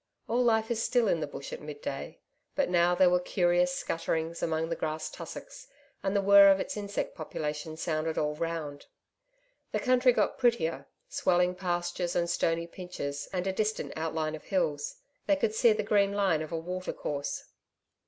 All life is still in the bush at mid day, but now there were curious scutterings among the grass tussocks, and the whirr of its insect population sounded all round. The country got prettier swelling pastures and stony pinches and a distant outline of hills. They could see the green line of a water course.